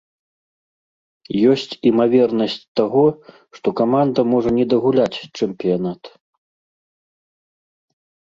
Ёсць імавернасць таго, што каманда можа не дагуляць чэмпіянат.